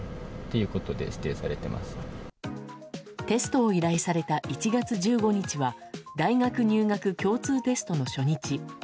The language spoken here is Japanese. テストを依頼された１月１５日は大学入学共通テストの初日。